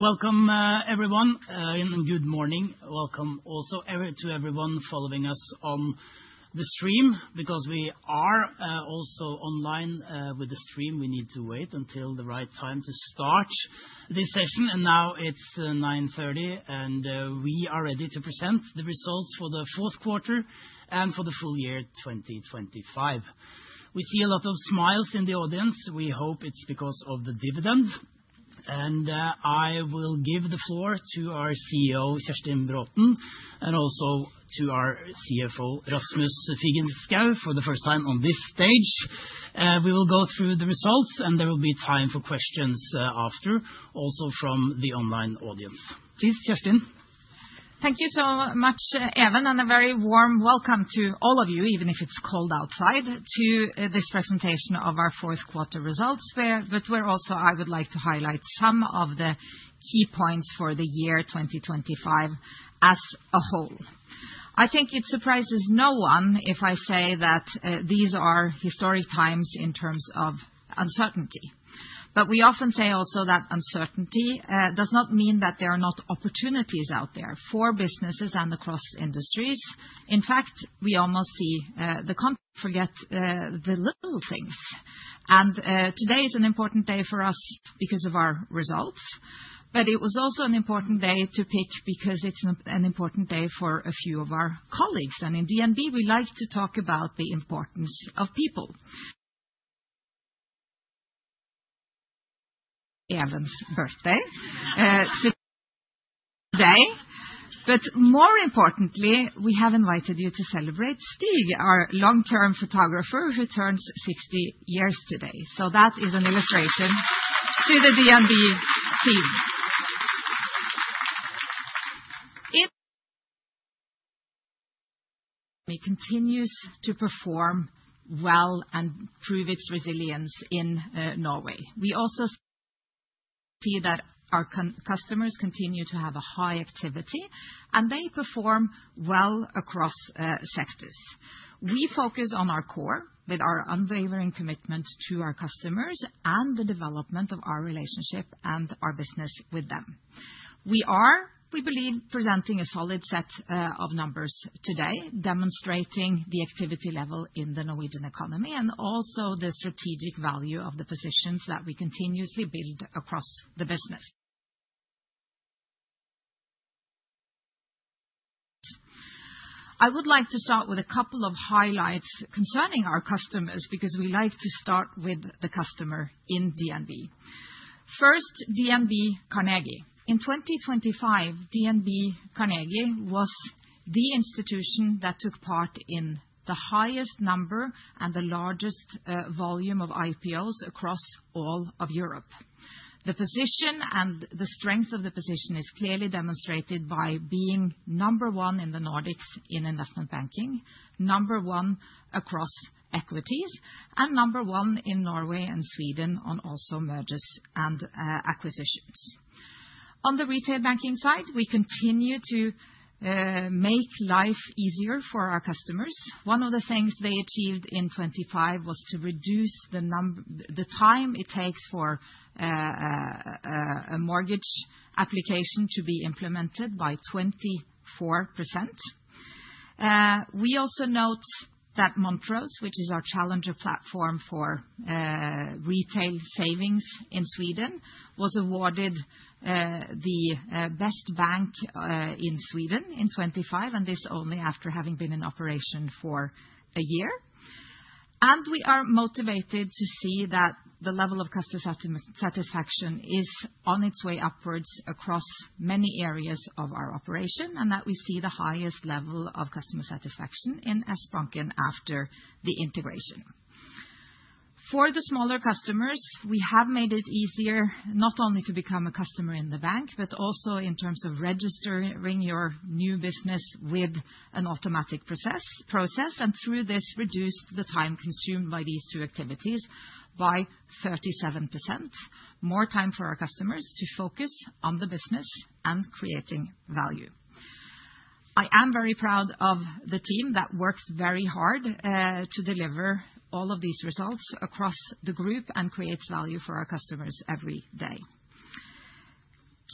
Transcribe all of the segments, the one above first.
Welcome, everyone, and good morning. Welcome also to everyone following us on the stream, because we are also online with the stream. We need to wait until the right time to start this session, and now it's 9:30 A.M., and we are ready to present the results for the Q4 and for the full year, 2025. We see a lot of smiles in the audience. We hope it's because of the dividend, and I will give the floor to our CEO, Kjerstin Braathen, and also to our CFO, Rasmus Figenschou, for the first time on this stage. We will go through the results, and there will be time for questions after, also from the online audience. Please, Kjerstin. Thank you so much, Even, and a very warm welcome to all of you, even if it's cold outside, to this presentation of our Q4 results, but where also I would like to highlight some of the key points for the year 2025 as a whole. I think it surprises no one if I say that these are historic times in terms of uncertainty. But we often say also that uncertainty does not mean that there are not opportunities out there for businesses and across industries. In fact, we almost see the contrast, forget the little things. And today is an important day for us because of our results, but it was also an important day to pick because it's an important day for a few of our colleagues. In DNB, we like to talk about the importance of people. Even's birthday today, but more importantly, we have invited you to celebrate Stig, our long-term photographer, who turns 60 years today. That is an illustration to the DNB team. It continues to perform well and prove its resilience in Norway. We also see that our customers continue to have a high activity, and they perform well across sectors. We focus on our core with our unwavering commitment to our customers and the development of our relationship and our business with them. We are, we believe, presenting a solid set of numbers today, demonstrating the activity level in the Norwegian economy, and also the strategic value of the positions that we continuously build across the business. I would like to start with a couple of highlights concerning our customers, because we like to start with the customer in DNB. First, DNB Carnegie. In 2025, DNB Carnegie was the institution that took part in the highest number and the largest volume of IPOs across all of Europe. The position and the strength of the position is clearly demonstrated by being number one in the Nordics in investment banking, number one across equities, and number one in Norway and Sweden on also mergers and acquisitions. On the retail banking side, we continue to make life easier for our customers. One of the things they achieved in 2025 was to reduce the time it takes for a mortgage application to be implemented by 24%. We also note that Montrose, which is our challenger platform for retail savings in Sweden, was awarded the best bank in Sweden in 2025, and this only after having been in operation for a year. We are motivated to see that the level of customer satisfaction is on its way upwards across many areas of our operation, and that we see the highest level of customer satisfaction in Sbanken after the integration. For the smaller customers, we have made it easier not only to become a customer in the bank, but also in terms of registering your new business with an automatic process, and through this, reduced the time consumed by these two activities by 37%. More time for our customers to focus on the business and creating value. I am very proud of the team that works very hard to deliver all of these results across the group and creates value for our customers every day.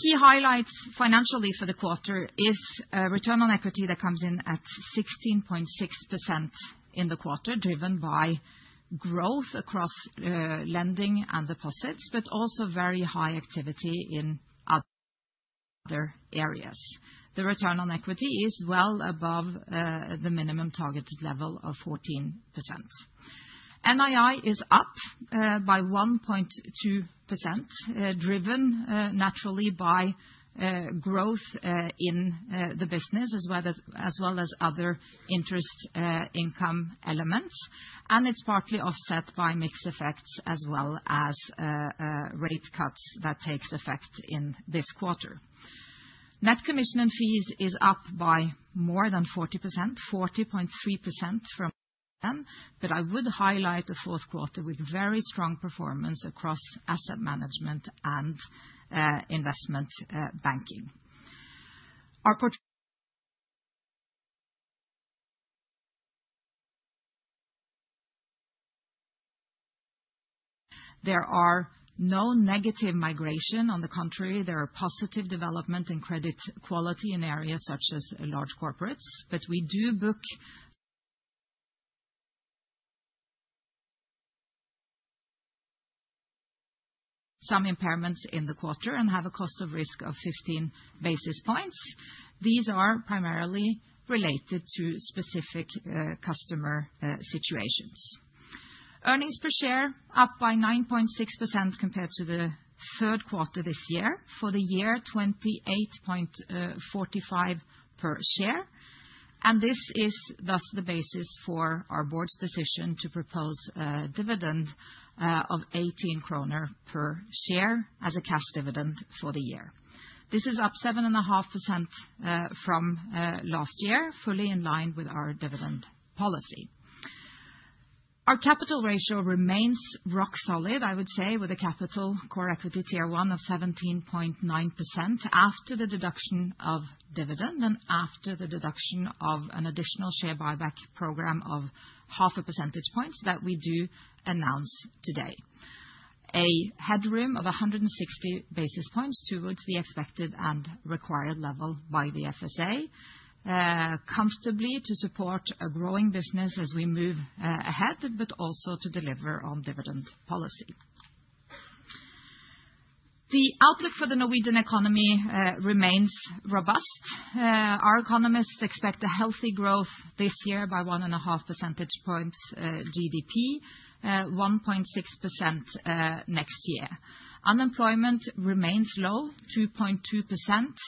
Key highlights financially for the quarter is a return on equity that comes in at 16.6% in the quarter, driven by growth across lending and deposits, but also very high activity in other areas. The return on equity is well above the minimum targeted level of 14%. NII is up by 1.2%, driven naturally by growth in the business, as well as other interest income elements, and it's partly offset by mix effects as well as rate cuts that takes effect in this quarter. Net commission and fees is up by more than 40%, 40.3% from them, but I would highlight the Q4 with very strong performance across asset management and, investment, banking. There are no negative migration. On the contrary, there are positive development in credit quality in areas such as large corporates, but we do book some impairments in the quarter and have a cost of risk of 15 basis points. These are primarily related to specific, customer, situations. Earnings per share up by 9.6% compared to the Q3 this year. For the year, 28.45 per share, and this is thus the basis for our board's decision to propose a dividend, of 18 kroner per share as a cash dividend for the year. This is up 7.5%, from last year, fully in line with our dividend policy. Our capital ratio remains rock solid, I would say, with a Common Equity Tier 1 of 17.9% after the deduction of dividend, and after the deduction of an additional share buyback program of half a percentage point that we do announce today. A headroom of 160 basis points towards the expected and required level by the FSA, comfortably to support a growing business as we move ahead, but also to deliver on dividend policy. The outlook for the Norwegian economy remains robust. Our economists expect a healthy growth this year by 1.5 percentage points, GDP, 1.6%, next year. Unemployment remains low, 2.2%,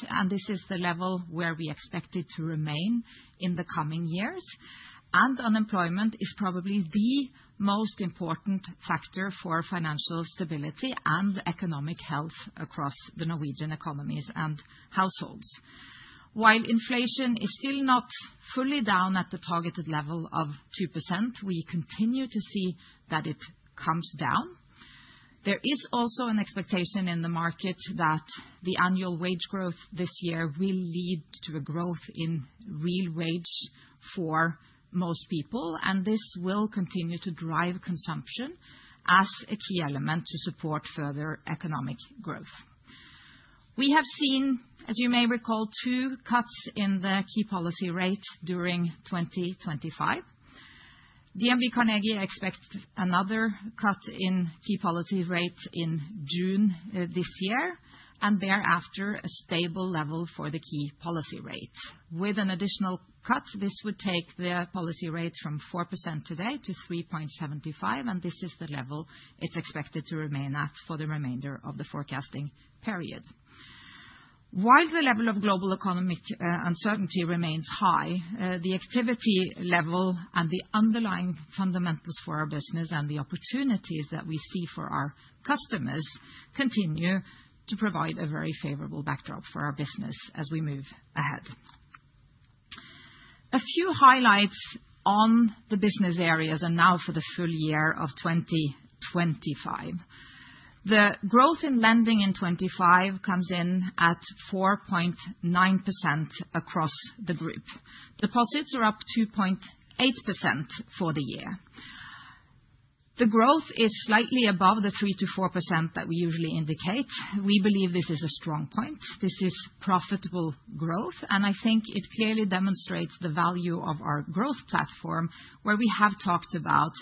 and this is the level where we expect it to remain in the coming years. Unemployment is probably the most important factor for financial stability and economic health across the Norwegian economies and households. While inflation is still not fully down at the targeted level of 2%, we continue to see that it comes down. There is also an expectation in the market that the annual wage growth this year will lead to a growth in real wage for most people, and this will continue to drive consumption as a key element to support further economic growth. We have seen, as you may recall, two cuts in the key policy rates during 2025. DNB Carnegie expects another cut in key policy rates in June, this year, and thereafter, a stable level for the key policy rate. With an additional cut, this would take the policy rate from 4% today to 3.75, and this is the level it's expected to remain at for the remainder of the forecasting period. While the level of global economic uncertainty remains high, the activity level and the underlying fundamentals for our business and the opportunities that we see for our customers continue to provide a very favorable backdrop for our business as we move ahead. A few highlights on the business areas and now for the full year of 2025. The growth in lending in 2025 comes in at 4.9% across the group. Deposits are up 2.8% for the year. The growth is slightly above the 3%-4% that we usually indicate. We believe this is a strong point. This is profitable growth, and I think it clearly demonstrates the value of our growth platform, where we have talked about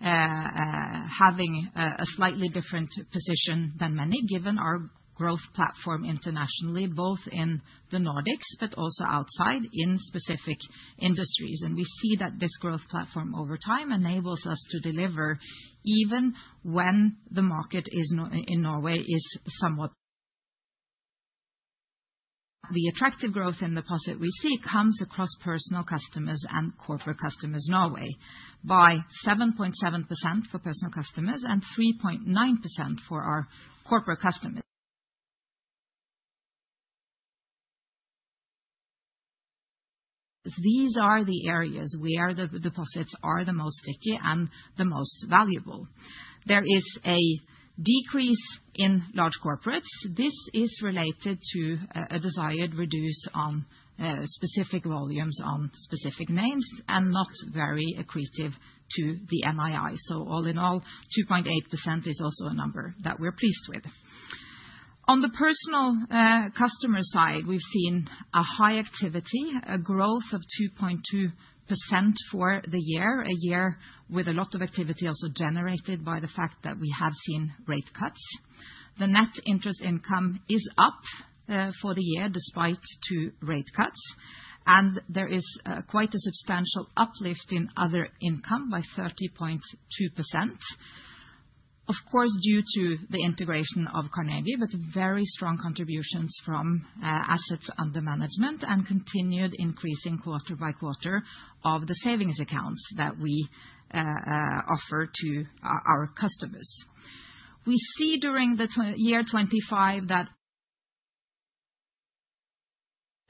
having a slightly different position than many, given our growth platform internationally, both in the Nordics, but also outside in specific industries. And we see that this growth platform over time enables us to deliver even when the market in Norway is somewhat... The attractive growth in deposit we see comes across personal customers and corporate customers Norway, by 7.7% for personal customers and 3.9% for our corporate customers. These are the areas where the deposits are the most sticky and the most valuable. There is a decrease in large corporates. This is related to a desired reduce on specific volumes on specific names, and not very accretive to the NII. So all in all, 2.8% is also a number that we're pleased with. On the personal customer side, we've seen a high activity, a growth of 2.2% for the year, a year with a lot of activity also generated by the fact that we have seen rate cuts. The net interest income is up for the year, despite two rate cuts, and there is quite a substantial uplift in other income by 30.2%. Of course, due to the integration of Carnegie, but very strong contributions from assets under management and continued increasing quarter by quarter of the savings accounts that we offer to our customers. We see during the year 2025 that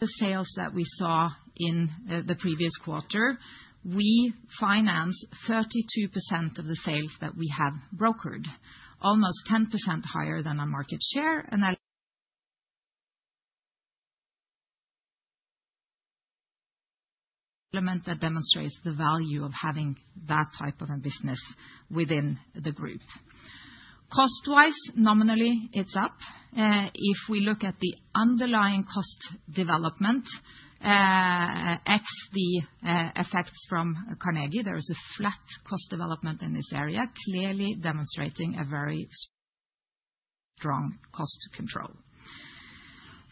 the sales that we saw in the previous quarter, we financed 32% of the sales that we have brokered, almost 10% higher than our market share, and an element that demonstrates the value of having that type of a business within the group. Cost-wise, nominally, it's up. If we look at the underlying cost development, ex the effects from Carnegie, there is a flat cost development in this area, clearly demonstrating a very strong cost control.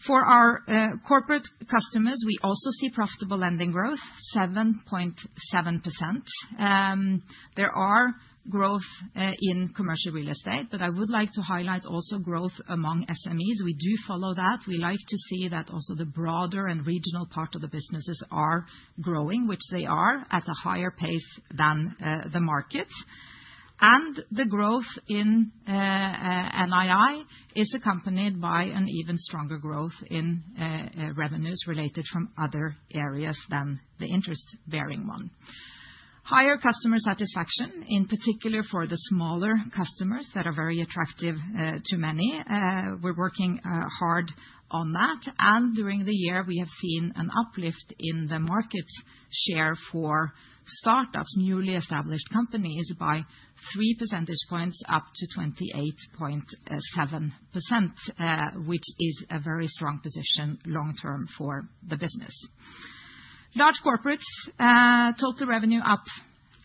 For our corporate customers, we also see profitable lending growth, 7.7%. There are growth in commercial real estate, but I would like to highlight also growth among SMEs. We do follow that. We like to see that also the broader and regional part of the businesses are growing, which they are, at a higher pace than the market. The growth in NII is accompanied by an even stronger growth in revenues related from other areas than the interest-bearing one. Higher customer satisfaction, in particular, for the smaller customers that are very attractive to many. We're working hard on that. During the year, we have seen an uplift in the market share for startups, newly established companies, by 3 percentage points up to 28.7%, which is a very strong position long term for the business. Large corporates, total revenue up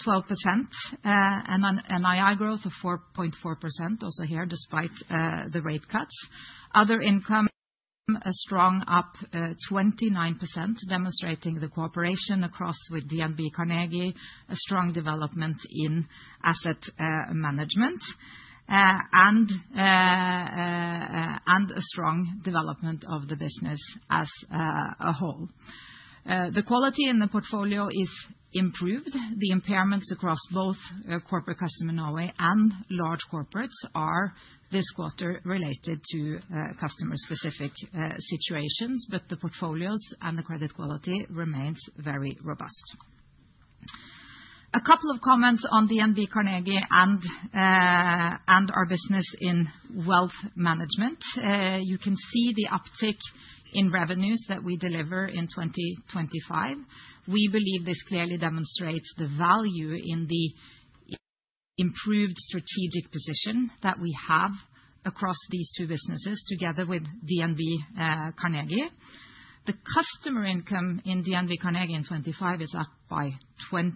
12%, and an NII growth of 4.4%, also here, despite the rate cuts. Other income, a strong up 29%, demonstrating the cooperation across with DNB Carnegie, a strong development in asset management, and a strong development of the business as a whole. The quality in the portfolio is improved. The impairments across both corporate customer Norway and large corporates are this quarter related to customer-specific situations, but the portfolios and the credit quality remains very robust. A couple of comments on DNB Carnegie and our business in wealth management. You can see the uptick in revenues that we deliver in 2025. We believe this clearly demonstrates the value in the improved strategic position that we have across these two businesses, together with DNB Carnegie. The customer income in DNB Carnegie in 2025 is up by 27%.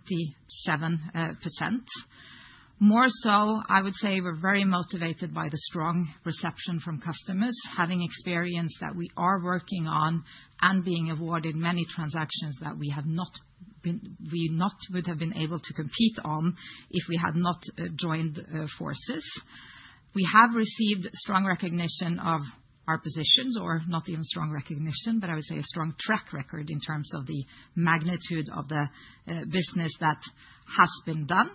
More so, I would say we're very motivated by the strong reception from customers, having experience that we are working on, and being awarded many transactions that we would not have been able to compete on if we had not joined forces. We have received strong recognition of our positions, or not even strong recognition, but I would say a strong track record in terms of the magnitude of the business that has been done.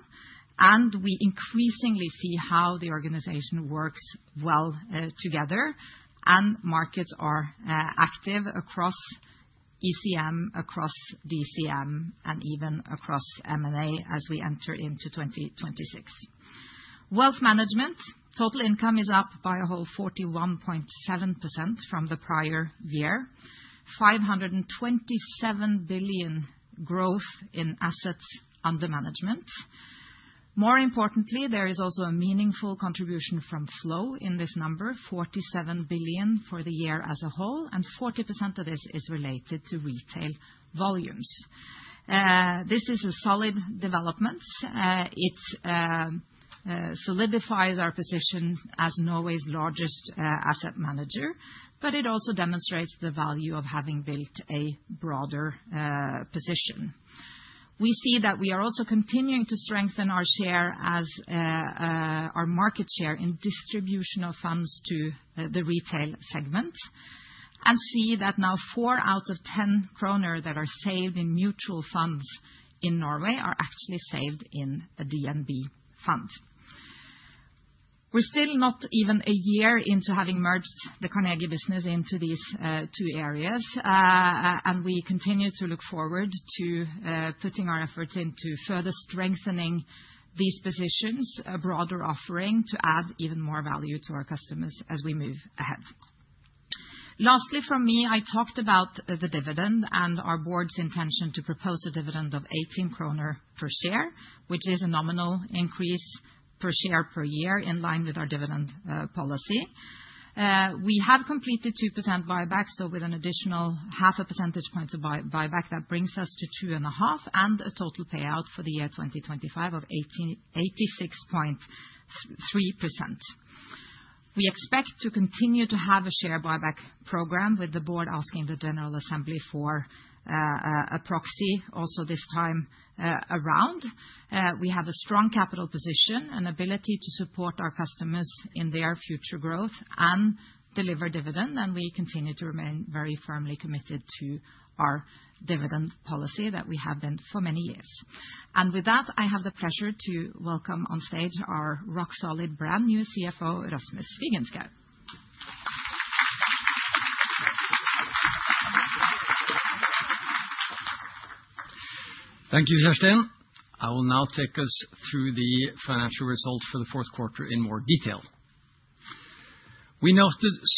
And we increasingly see how the organization works well together, and markets are active across ECM, across DCM, and even across M&A as we enter into 2026. Wealth management. Total income is up by a whole 41.7% from the prior year, 527 billion growth in assets under management. More importantly, there is also a meaningful contribution from flow in this number, 47 billion for the year as a whole, and 40% of this is related to retail volumes. This is a solid development. It solidifies our position as Norway's largest asset manager, but it also demonstrates the value of having built a broader position. We see that we are also continuing to strengthen our share as our market share in distribution of funds to the retail segment, and see that now four out of ten kroner that are saved in mutual funds in Norway are actually saved in a DNB fund. We're still not even a year into having merged the Carnegie business into these, two areas, and we continue to look forward to, putting our efforts into further strengthening these positions, a broader offering, to add even more value to our customers as we move ahead. Lastly, from me, I talked about, the dividend and our board's intention to propose a dividend of 18 kroner per share, which is a nominal increase per share per year, in line with our dividend, policy. We have completed 2% buyback, so with an additional 0.5 percentage point of buyback, that brings us to 2.5, and a total payout for the year 2025 of 18.863%. We expect to continue to have a share buyback program, with the board asking the general assembly for a proxy also this time around. We have a strong capital position and ability to support our customers in their future growth and deliver dividend, and we continue to remain very firmly committed to our dividend policy that we have been for many years. With that, I have the pleasure to welcome on stage our rock solid, brand-new CFO, Rasmus Figenschou. Thank you, Kjerstin. I will now take us through the financial results for the Q4 in more detail. We noted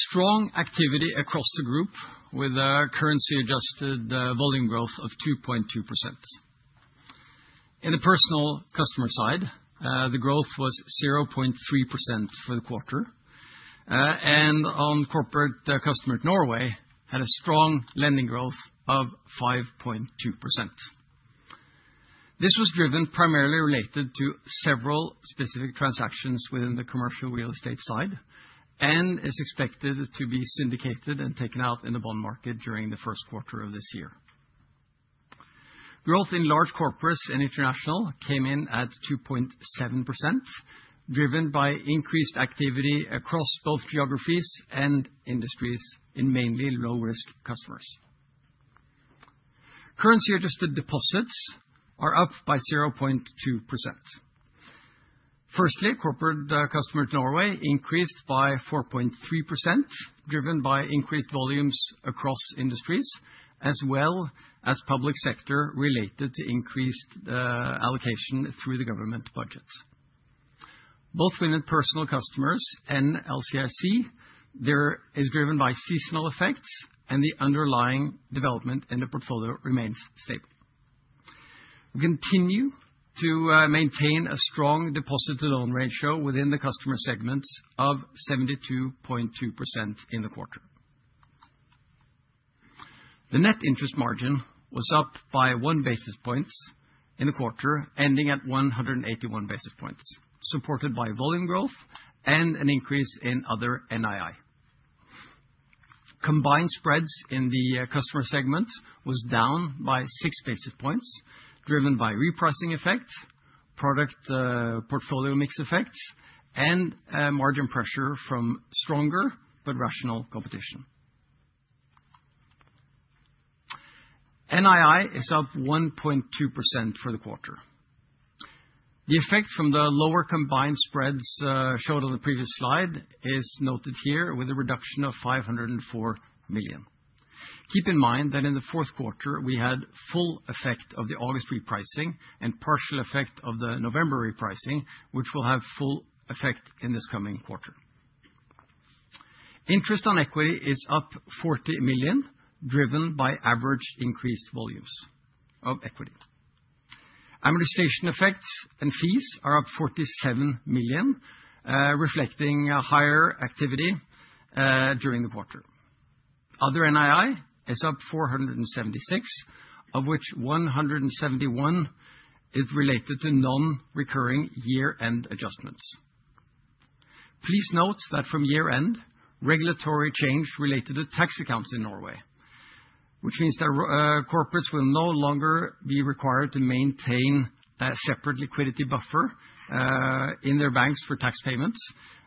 strong activity across the group, with our currency adjusted volume growth of 2.2%. In the personal customer side, the growth was 0.3% for the quarter. On corporate customer, Norway had a strong lending growth of 5.2%. This was driven primarily related to several specific transactions within the commercial real estate side, and is expected to be syndicated and taken out in the bond market during the Q1 of this year. Growth in large corporates and international came in at 2.7%, driven by increased activity across both geographies and industries, in mainly low-risk customers. Currency adjusted deposits are up by 0.2%. Firstly, corporate customers in Norway increased by 4.3%, driven by increased volumes across industries, as well as public sector related to increased allocation through the government budgets. Both within personal customers and LCI, there is driven by seasonal effects, and the underlying development in the portfolio remains stable. We continue to maintain a strong deposit-to-loan ratio within the customer segments of 72.2% in the quarter. The net interest margin was up by 1 basis point in the quarter, ending at 181 basis points, supported by volume growth and an increase in other NII. Combined spreads in the customer segment was down by 6 basis points, driven by repricing effects, product portfolio mix effects, and margin pressure from stronger but rational competition. NII is up 1.2% for the quarter. The effect from the lower combined spreads showed on the previous slide is noted here with a reduction of 504 million. Keep in mind that in the Q4, we had full effect of the August repricing and partial effect of the November repricing, which will have full effect in this coming quarter. Interest on equity is up 40 million, driven by average increased volumes of equity. Amortization effects and fees are up 47 million, reflecting a higher activity during the quarter. Other NII is up 476 million, of which 171 is related to non-recurring year-end adjustments. Please note that from year-end, regulatory change related to tax accounts in Norway, which means that corporates will no longer be required to maintain a separate liquidity buffer in their banks for tax payments.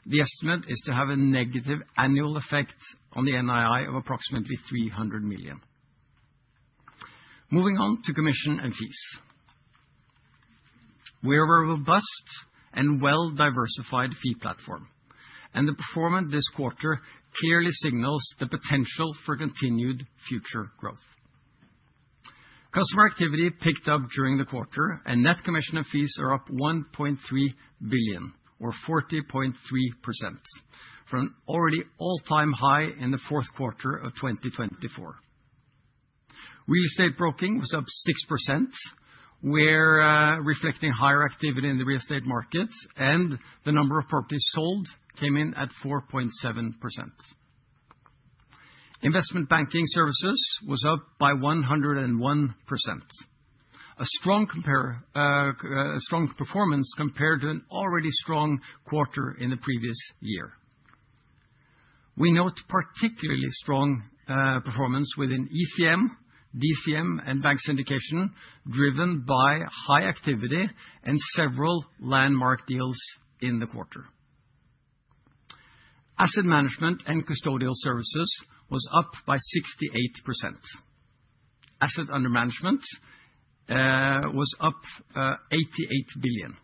The estimate is to have a negative annual effect on the NII of approximately 300 million. Moving on to commission and fees. We have a robust and well-diversified fee platform, and the performance this quarter clearly signals the potential for continued future growth. Customer activity picked up during the quarter, and net commission and fees are up 1.3 billion, or 40.3%, from an already all-time high in the Q4 of 2024. Real estate broking was up 6%. We're reflecting higher activity in the real estate markets, and the number of properties sold came in at 4.7%. Investment banking services was up by 101%. A strong performance compared to an already strong quarter in the previous year. We note particularly strong performance within ECM, DCM, and bank syndication, driven by high activity and several landmark deals in the quarter. Asset management and custodial services was up by 68%. Asset under management was up 88 billion,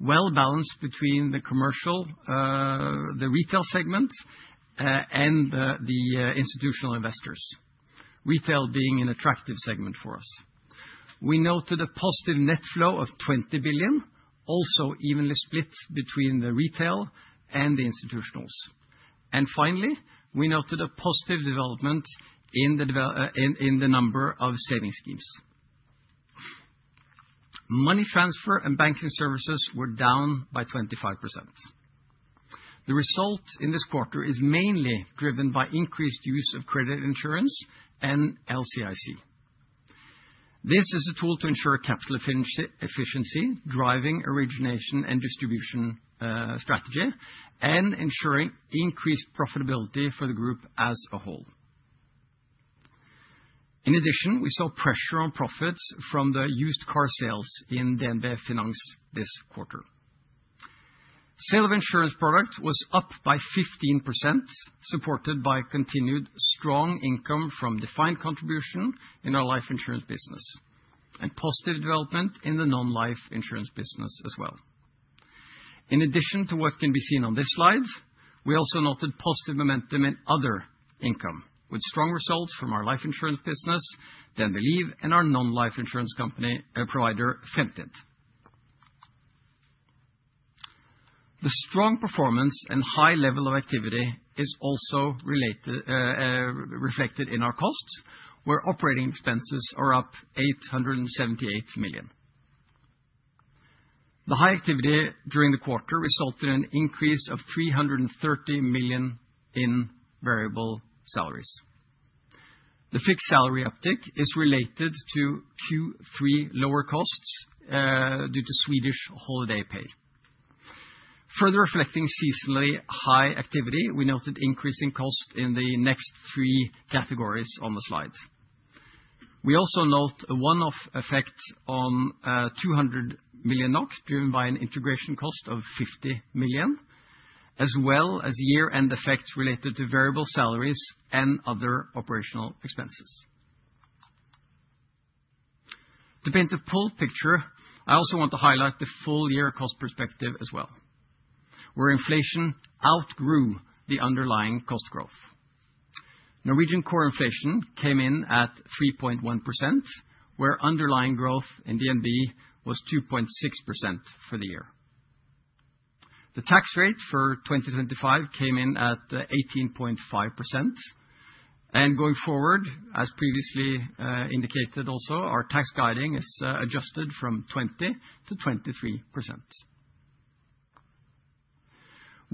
well-balanced between the commercial, the retail segment, and the institutional investors. Retail being an attractive segment for us. We noted a positive net flow of 20 billion, also evenly split between the retail and the institutionals. And finally, we noted a positive development in the number of savings schemes. Money transfer and banking services were down by 25%. The result in this quarter is mainly driven by increased use of credit insurance and LCI. This is a tool to ensure capital efficiency, driving origination and distribution strategy, and ensuring increased profitability for the group as a whole. In addition, we saw pressure on profits from the used car sales in DNB Finance this quarter. Sale of insurance product was up by 15%, supported by continued strong income from defined contribution in our life insurance business, and positive development in the non-life insurance business as well. In addition to what can be seen on this slide, we also noted positive momentum in other income, with strong results from our life insurance business, DNB Liv, and our non-life insurance company, Fremtind. The strong performance and high level of activity is also reflected in our costs, where operating expenses are up 878 million. The high activity during the quarter resulted in an increase of 330 million in variable salaries. The fixed salary uptick is related to Q3 lower costs due to Swedish holiday pay. Further reflecting seasonally high activity, we noted increasing cost in the next three categories on the slide. We also note a one-off effect on 200 million NOK, driven by an integration cost of 50 million, as well as year-end effects related to variable salaries and other operational expenses. To paint the full picture, I also want to highlight the full year cost perspective as well, where inflation outgrew the underlying cost growth. Norwegian core inflation came in at 3.1%, where underlying growth in DNB was 2.6% for the year. The tax rate for 2025 came in at 18.5%. And going forward, as previously indicated also, our tax guiding is adjusted from 20%-23%.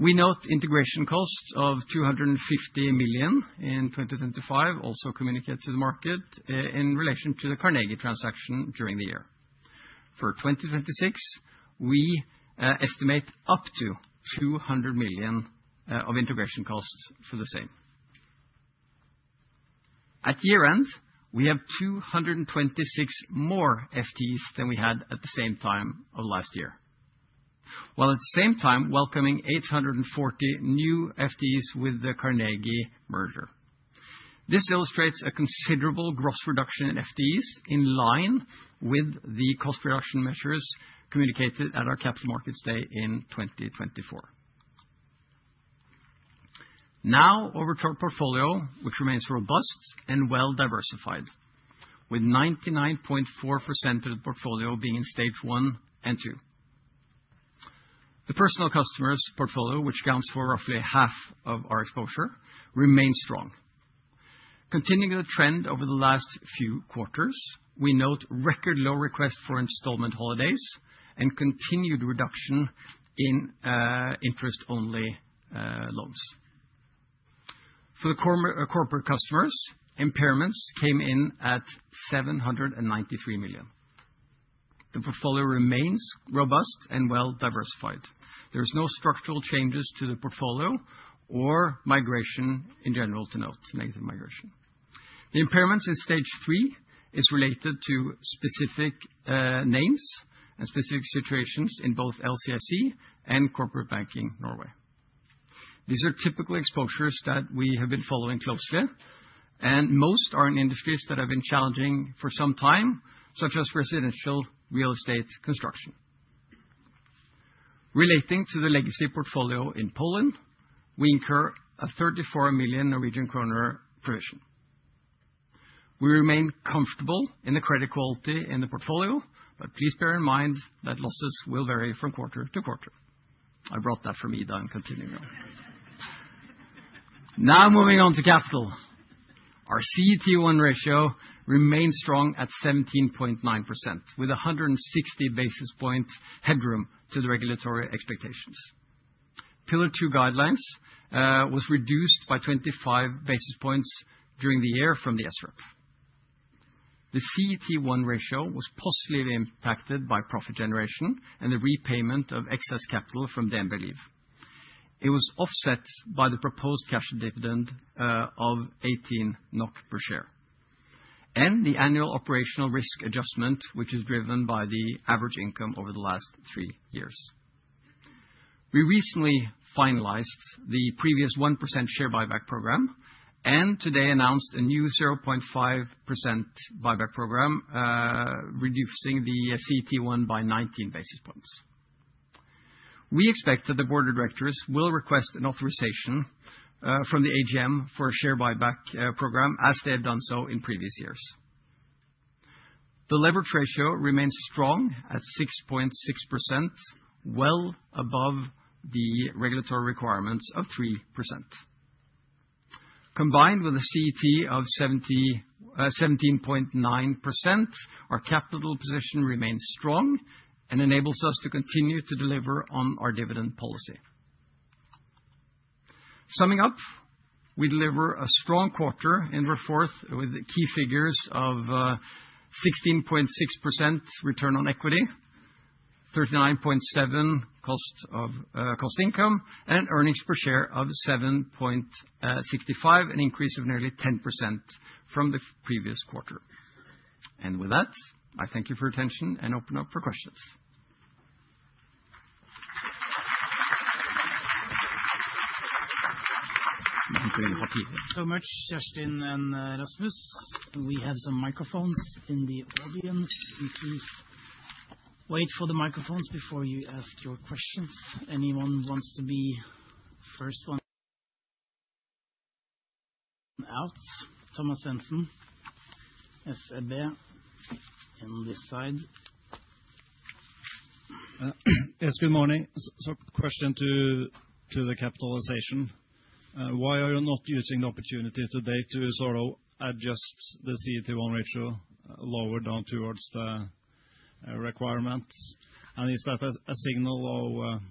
We note integration costs of 250 million in 2025, also communicated to the market, in relation to the Carnegie transaction during the year. For 2026, we estimate up to 200 million of integration costs for the same. At year-end, we have 226 more FTEs than we had at the same time of last year, while at the same time welcoming 840 new FTEs with the Carnegie merger. This illustrates a considerable gross reduction in FTEs, in line with the cost reduction measures communicated at our Capital Markets Day in 2024. Now over to our portfolio, which remains robust and well diversified, with 99.4% of the portfolio being in stage one and two. The personal customers portfolio, which accounts for roughly half of our exposure, remains strong. Continuing the trend over the last few quarters, we note record low request for installment holidays and continued reduction in interest-only loans. For the corporate customers, impairments came in at 793 million. The portfolio remains robust and well diversified. There's no structural changes to the portfolio or migration in general to note, to negative migration. The impairments in stage three is related to specific names and specific situations in both LCI and Corporate Banking Norway. These are typical exposures that we have been following closely, and most are in industries that have been challenging for some time, such as residential real estate construction. Relating to the legacy portfolio in Poland, we incur a 34 million Norwegian kroner provision. We remain comfortable in the credit quality in the portfolio, but please bear in mind that losses will vary from quarter to quarter. I brought that from Ida and continuing on. Now, moving on to capital. Our CET1 ratio remains strong at 17.9%, with 160 basis points headroom to the regulatory expectations. Pillar 2 guidelines was reduced by 25 basis points during the year from the SREP. The CET1 ratio was positively impacted by profit generation and the repayment of excess capital from DNB Liv. It was offset by the proposed cash dividend of 18 NOK per share, and the annual operational risk adjustment, which is driven by the average income over the last three years. We recently finalized the previous 1% share buyback program, and today announced a new 0.5% buyback program, reducing the CET1 by 19 basis points. We expect that the board of directors will request an authorization from the AGM for a share buyback program, as they have done so in previous years. The leverage ratio remains strong at 6.6%, well above the regulatory requirements of 3%. Combined with a CET1 of 17.9%, our capital position remains strong and enables us to continue to deliver on our dividend policy. Summing up, we deliver a strong quarter in the fourth, with the key figures of 16.6% return on equity, 39.7 cost-to-income, and earnings per share of 7.65, an increase of nearly 10% from the previous quarter. With that, I thank you for your attention and open up for questions. So much, Kjerstin and Rasmus. We have some microphones in the audience. Please wait for the microphones before you ask your questions. Anyone wants to be first one?... Out. Thomas Svendsen, SEB, on this side. Yes, good morning. Question to the capitalization. Why are you not using the opportunity today to sort of adjust the CET1 ratio lower down towards the requirements? Is that a signal of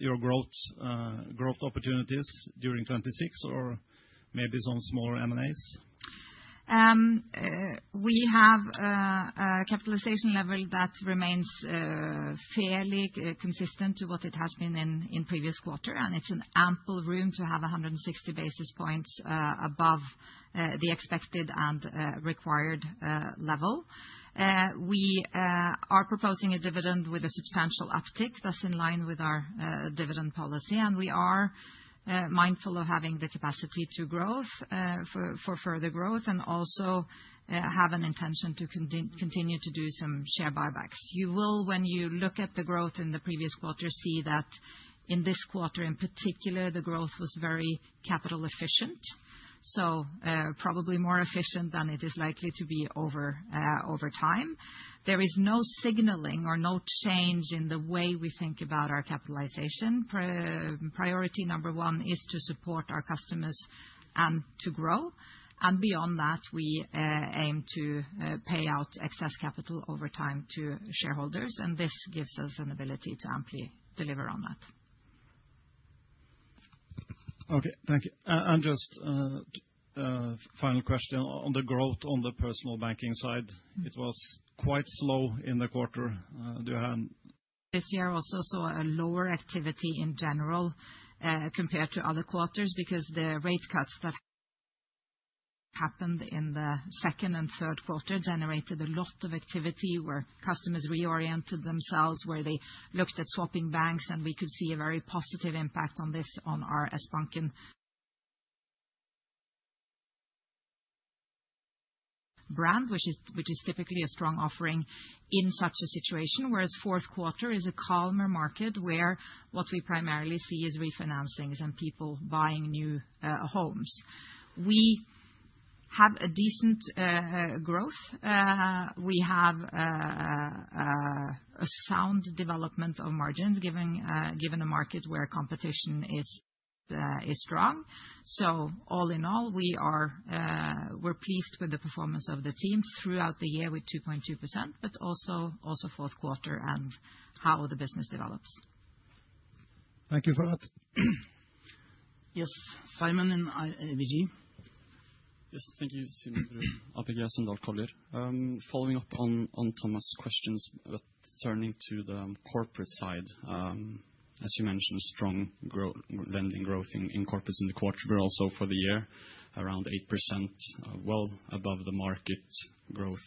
your growth growth opportunities during 2026, or maybe some small M&As? We have a capitalization level that remains fairly consistent to what it has been in previous quarter, and it's an ample room to have 160 basis points above the expected and required level. We are proposing a dividend with a substantial uptick, thus in line with our dividend policy, and we are mindful of having the capacity to growth for further growth, and also have an intention to continue to do some share buybacks. You will, when you look at the growth in the previous quarter, see that in this quarter, in particular, the growth was very capital efficient, so probably more efficient than it is likely to be over time. There is no signaling or no change in the way we think about our capitalization. Priority number one is to support our customers and to grow, and beyond that, we aim to pay out excess capital over time to shareholders, and this gives us an ability to amply deliver on that. Okay, thank you. And just, a final question on the growth on the personal banking side, it was quite slow in the quarter. Do you have- This year also saw a lower activity in general, compared to other quarters, because the rate cuts that happened in the second and Q3 generated a lot of activity where customers reoriented themselves, where they looked at swapping banks, and we could see a very positive impact on this, on our Sbanken brand, which is typically a strong offering in such a situation. Whereas Q4 is a calmer market, where what we primarily see is refinancings and people buying new homes. We have a decent growth. We have a sound development of margins, given a market where competition is strong. So all in all, we're pleased with the performance of the teams throughout the year with 2.2%, but also Q4 and how the business develops. Thank you for that. Yes, Simon in ABG. Yes, thank you. Simon Skåland Brun. Following up on Thomas' questions, but turning to the corporate side, as you mentioned, strong lending growth in corporates in the quarter, but also for the year, around 8%, well above the market growth.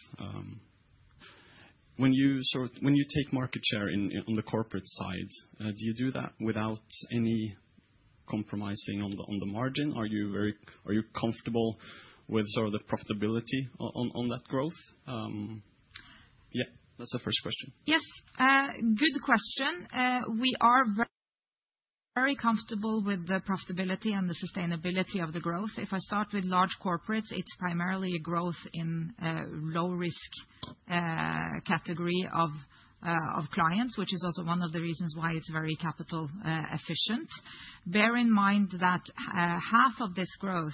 When you take market share in on the corporate side, do you do that without any compromising on the margin? Are you comfortable with sort of the profitability on that growth? Yeah, that's the first question. Yes, good question. We are very comfortable with the profitability and the sustainability of the growth. If I start with large corporates, it's primarily a growth in a low risk category of clients, which is also one of the reasons why it's very capital efficient. Bear in mind that half of this growth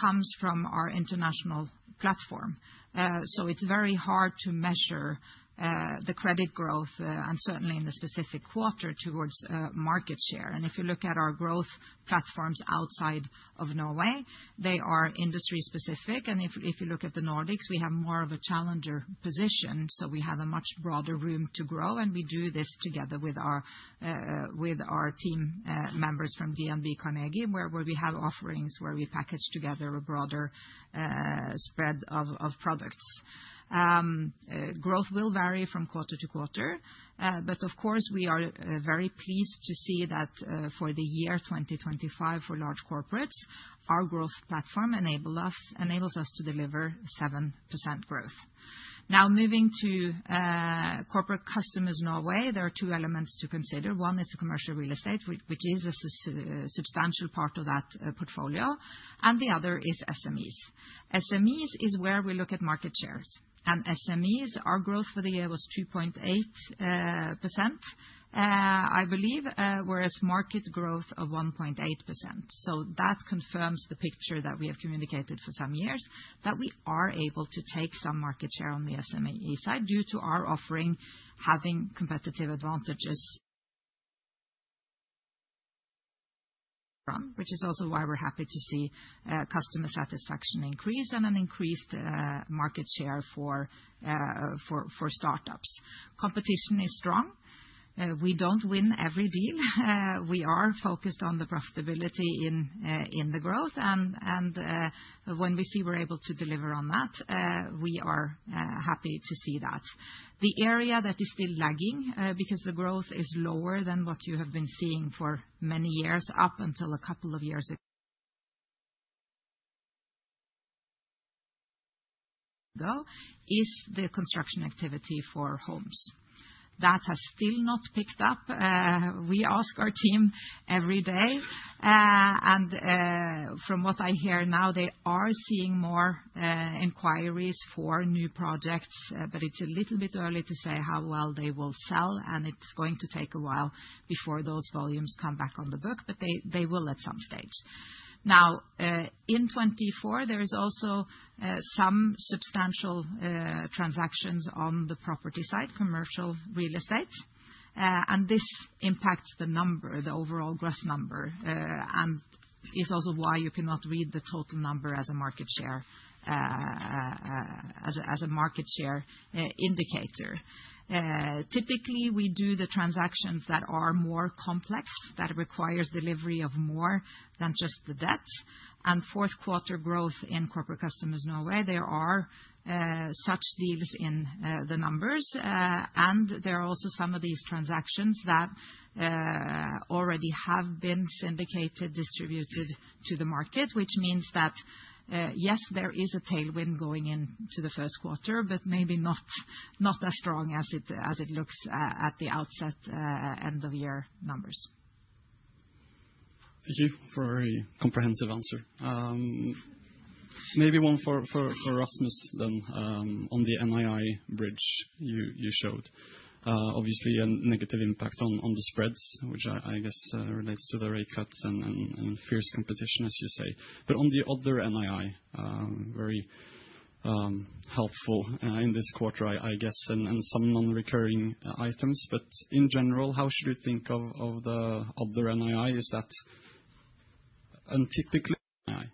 comes from our international platform. So it's very hard to measure the credit growth, and certainly in the specific quarter, towards market share. And if you look at our growth platforms outside of Norway, they are industry specific. If, if you look at the Nordics, we have more of a challenger position, so we have a much broader room to grow, and we do this together with our, with our team, members from DNB Carnegie, where, where we have offerings, where we package together a broader, spread of products. Growth will vary from quarter to quarter, but of course, we are very pleased to see that, for the year 2025 for large corporates, our growth platform enables us to deliver 7% growth. Now, moving to, corporate customers Norway, there are two elements to consider. One is the commercial real estate, which is a substantial part of that, portfolio, and the other is SMEs. SMEs is where we look at market shares, and SMEs, our growth for the year was 2.8%, I believe, whereas market growth of 1.8%. So that confirms the picture that we have communicated for some years, that we are able to take some market share on the SME side, due to our offering having competitive advantages... From which is also why we're happy to see customer satisfaction increase and an increased market share for startups. Competition is strong. We don't win every deal. We are focused on the profitability in the growth, and when we see we're able to deliver on that, we are happy to see that. The area that is still lagging, because the growth is lower than what you have been seeing for many years, up until a couple of years ago, though, is the construction activity for homes. That has still not picked up. We ask our team every day, and from what I hear now, they are seeing more inquiries for new projects, but it's a little bit early to say how well they will sell, and it's going to take a while before those volumes come back on the book, but they, they will at some stage. Now, in 2024, there is also some substantial transactions on the property side, Commercial Real Estate. And this impacts the number, the overall gross number, and is also why you cannot read the total number as a market share, as a market share indicator. Typically, we do the transactions that are more complex, that requires delivery of more than just the debt. And Q4 growth in corporate customers Norway, there are such deals in the numbers. And there are also some of these transactions that already have been syndicated, distributed to the market, which means that, yes, there is a tailwind going into the Q1, but maybe not as strong as it looks at the outset, end of year numbers. Thank you for a very comprehensive answer. Maybe one for Rasmus then, on the NII bridge you showed. Obviously, a negative impact on the spreads, which I guess relates to the rate cuts and fierce competition, as you say. But on the other NII, very helpful in this quarter, I guess, and some non-recurring items, but in general, how should we think of the other NII? Is that... and typically NII.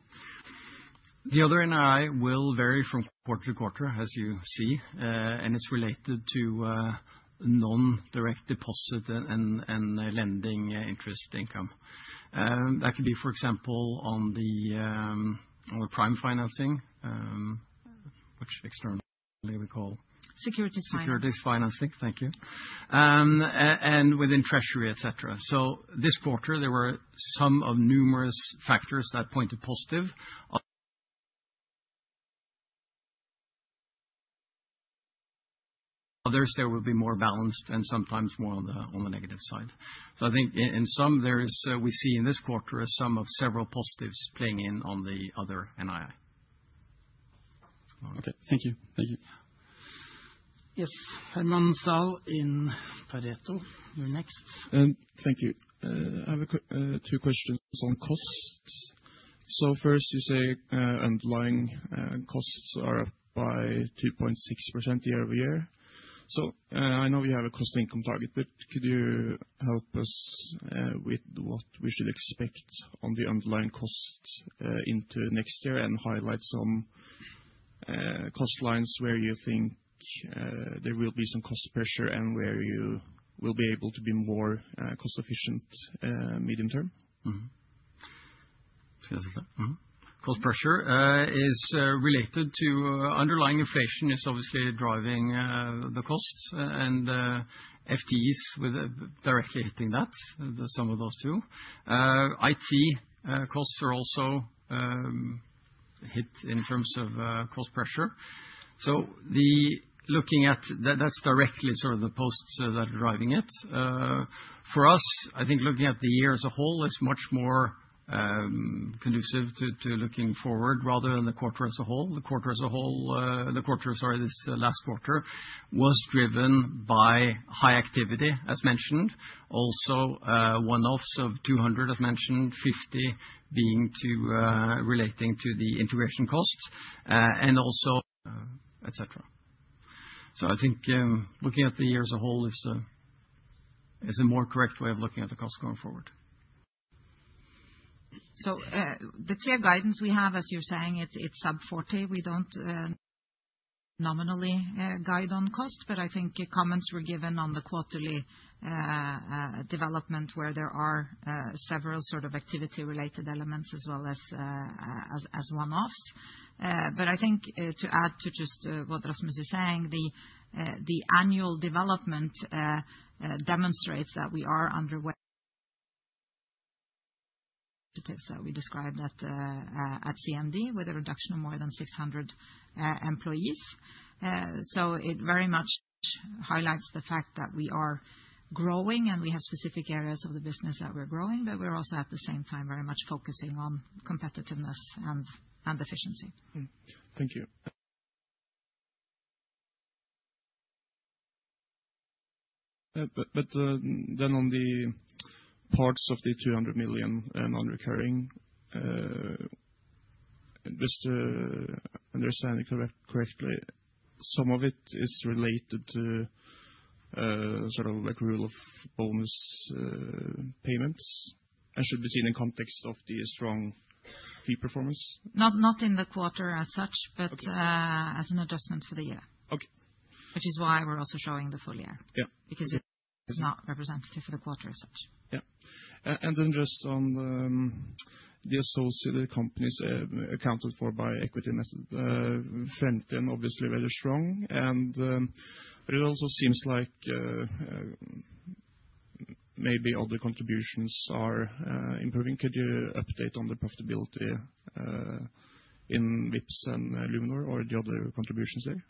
The other NII will vary from quarter to quarter, as you see, and it's related to non-direct deposit and lending interest income. That could be, for example, on the prime financing, which externally we call- Securities financing. Securities financing, thank you. And within treasury, et cetera. So this quarter, there were some of numerous factors that pointed positive. Others, there will be more balanced and sometimes more on the negative side. So I think in some there is, we see in this quarter some of several positives playing in on the other NII. Okay. Thank you. Thank you. Yes, Herman Zahl in Pareto, you're next. Thank you. I have a quick two questions on costs. So first, you say underlying costs are up by 2.6% year-over-year. So, I know you have a cost income target, but could you help us with what we should expect on the underlying costs into next year, and highlight some cost lines where you think there will be some cost pressure, and where you will be able to be more cost efficient medium term? Cost pressure is related to underlying inflation is obviously driving the costs and FTEs with directly hitting that, some of those, too. IT costs are also hit in terms of cost pressure. So the— Looking at... That, that's directly sort of the costs that are driving it. For us, I think looking at the year as a whole is much more conducive to looking forward rather than the quarter as a whole. The quarter as a whole, the quarter, sorry, this last quarter was driven by high activity, as mentioned. Also, one-offs of 200, I've mentioned, 50 being to relating to the integration costs, and also, et cetera. So I think looking at the year as a whole is a more correct way of looking at the costs going forward. So, the clear guidance we have, as you're saying, it's sub 40. We don't nominally guide on cost, but I think your comments were given on the quarterly development, where there are several sort of activity-related elements as well as one-offs. But I think to add to just what Rasmus is saying, the annual development demonstrates that we are underway. So we described that at CMD, with a reduction of more than 600 employees. So it very much highlights the fact that we are growing, and we have specific areas of the business that we're growing, but we're also, at the same time, very much focusing on competitiveness and efficiency. Mm-hmm. Thank you. But then on the parts of the 300 million and non-recurring, just to understand it correctly, some of it is related to sort of like rule of bonus payments, and should be seen in context of the strong fee performance? Not in the quarter as such- Okay. but, as an adjustment for the year. Okay. Which is why we're also showing the full year. Yeah. Because it's not representative for the quarter as such. Yeah. And then just on the associated companies accounted for by equity, friendly and obviously very strong. And but it also seems like... maybe all the contributions are improving. Could you update on the profitability in Vipps and Luminor, or the other contributions there?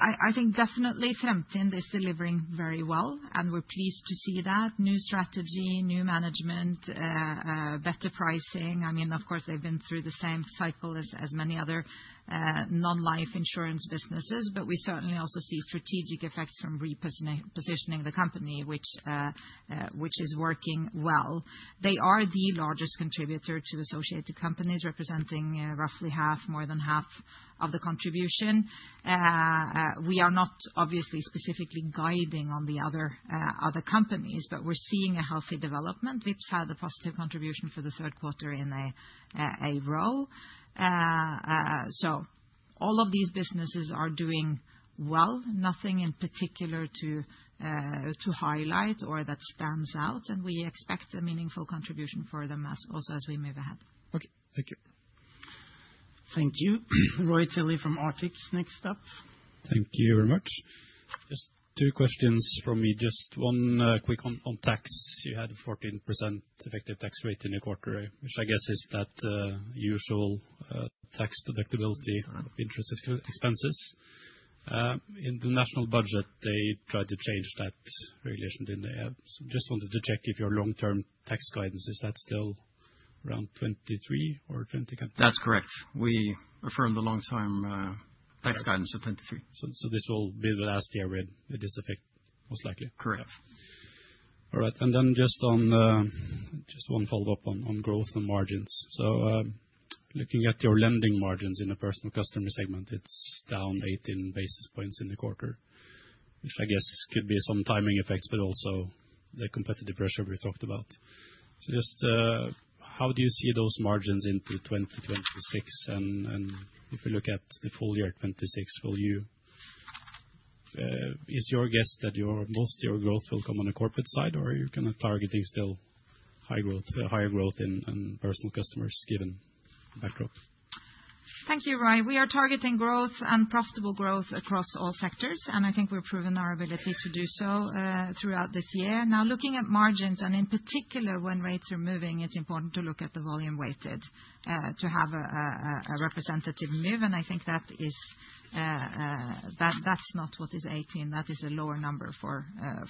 I think definitely Fremtind is delivering very well, and we're pleased to see that. New strategy, new management, better pricing. I mean, of course, they've been through the same cycle as many other non-life insurance businesses. But we certainly also see strategic effects from repositioning the company, which is working well. They are the largest contributor to associated companies, representing roughly half, more than half of the contribution. We are not obviously specifically guiding on the other companies, but we're seeing a healthy development. Vipps had a positive contribution for the Q3 in a row. So all of these businesses are doing well. Nothing in particular to highlight or that stands out, and we expect a meaningful contribution for them as also as we move ahead. Okay, thank you. Thank you. Roy Tilley from Arctic, next up. Thank you very much. Just two questions from me. Just one quick on tax. You had a 14% effective tax rate in the quarter, which I guess is that usual tax deductibility of interest expenses. In the national budget, they tried to change that regulation, didn't they? So just wanted to check if your long-term tax guidance is still around 23 or 20- That's correct. We affirmed the long-term tax guidance of 23. So, this will be the last year with this effect, most likely? Correct. All right, and then just on, just one follow-up on, on growth and margins. So, looking at your lending margins in the personal customer segment, it's down 18 basis points in the quarter, which I guess could be some timing effects, but also the competitive pressure we talked about. So just, how do you see those margins into 2026? And, and if you look at the full year at 2026, will you, Is your guess that your, most of your growth will come on the corporate side, or are you gonna targeting still high growth, higher growth in, in personal customers, given that growth? Thank you, Roy. We are targeting growth and profitable growth across all sectors, and I think we've proven our ability to do so throughout this year. Now, looking at margins, and in particular, when rates are moving, it's important to look at the volume weighted to have a representative move. And I think that is, that, that's not what is 18, that is a lower number for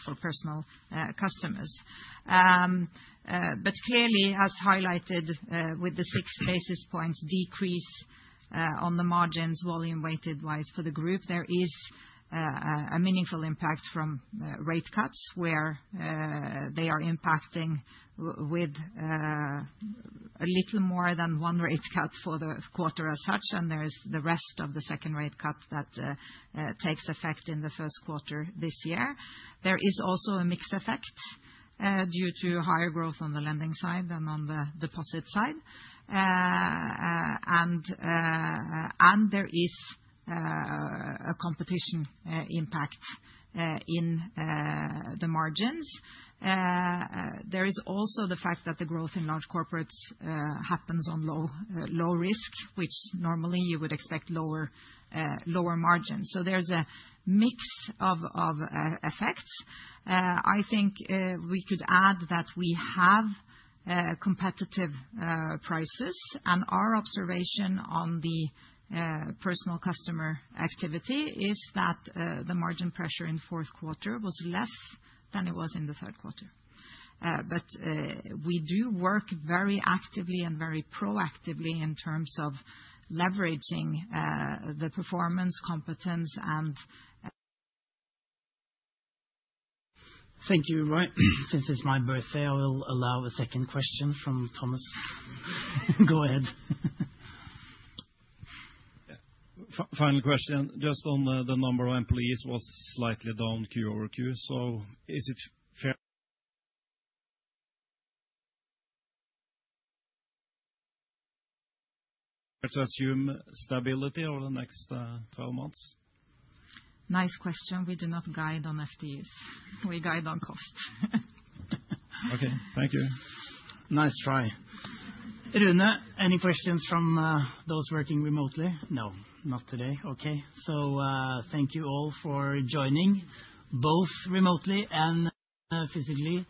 for personal customers. But clearly, as highlighted, with the 6 basis points decrease on the margins, volume weighted-wise for the group, there is a meaningful impact from rate cuts, where they are impacting with a little more than one rate cut for the quarter as such. And there is the rest of the second rate cut that takes effect in the Q1 this year. There is also a mix effect due to higher growth on the lending side than on the deposit side. And there is a competition impact in the margins. There is also the fact that the growth in large corporates happens on low risk, which normally you would expect lower margins. So there's a mix of effects. I think we could add that we have competitive prices. And our observation on the personal customer activity is that the margin pressure in Q4 was less than it was in the Q3. but we do work very actively and very proactively in terms of leveraging the performance, competence and- Thank you, Roy. Since it's my birthday, I will allow a second question from Thomas. Go ahead. Yeah. Final question, just on the number of employees was slightly down Q-over-Q. So is it fair to assume stability over the next twelve months? Nice question. We do not guide on FTEs. We guide on cost. Okay, thank you. Nice try. Rune, any questions from those working remotely? No, not today. Okay. So, thank you all for joining, both remotely and physically.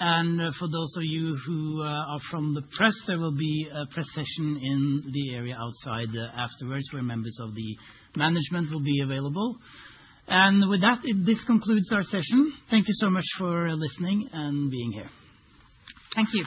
And for those of you who are from the press, there will be a press session in the area outside afterwards, where members of the management will be available. And with that, this concludes our session. Thank you so much for listening and being here. Thank you.